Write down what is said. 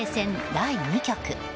第２局。